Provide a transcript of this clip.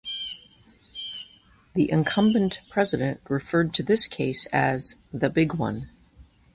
The incumbent president referred to this case as "the big one".